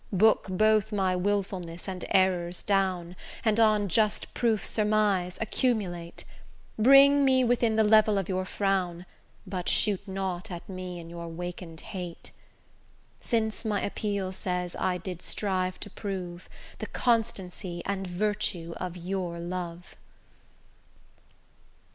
Book both my wilfulness and errors down, And on just proof surmise, accumulate; Bring me within the level of your frown, But shoot not at me in your waken'd hate; Since my appeal says I did strive to prove The constancy and virtue of your love.